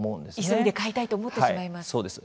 急いで買いたいと思ってしまいます。